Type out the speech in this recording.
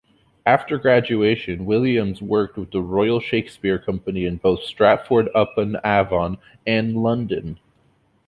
After graduation, Williams worked with the Royal Shakespeare Company in both Stratford-upon-Avon and London.